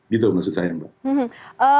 gitu maksud saya mbak